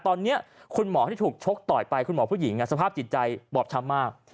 ตอนนี้คุณหมอที่ถูกชกต่อยไปคุณหมอผู้หญิงสภาพจิตใจบอบช้ำมาก